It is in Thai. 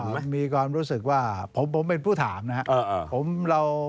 มันมีความรู้สึกว่าผมเป็นผู้ถามนะครับ